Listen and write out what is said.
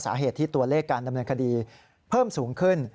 สาเหตุที่ตัวเลขการดำเนินคดีเพิ่มสูงขึ้น